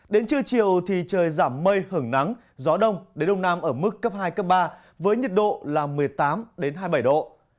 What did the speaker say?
đến trưa chiều thì trời giảm mây hưởng nắng gió đông đến đông nam ở mức cấp hai cấp ba với nhiệt độ là một mươi tám hai mươi bảy độ